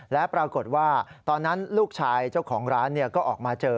และปรากฏว่าตอนนั้นลูกชายเจ้าของร้านก็ออกมาเจอ